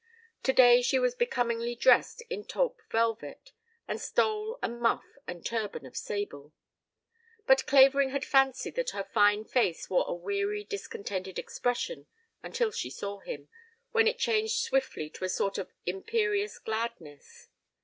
Today she was becomingly dressed in taupe velvet, with stole and muff and turban of sable; but Clavering had fancied that her fine face wore a weary discontented expression until she saw him, when it changed swiftly to a sort of imperious gladness.